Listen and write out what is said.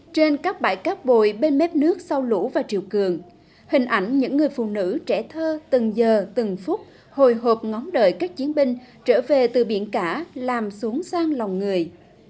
trên các bãi cáp bồi bên mép nước sau lũ và chiều cường hình ảnh những người phụ nữ trẻ thơ từng giờ từng phút hồi hộp ngón đợi các chiến binh trở về từ biển cả làm xuống sang lòng người